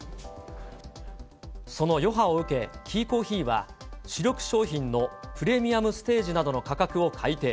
その余波を受け、キーコーヒーは主力商品のプレミアムステージなどの価格を改訂。